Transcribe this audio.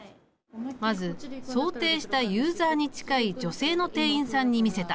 まず想定したユーザーに近い女性の店員さんに見せた。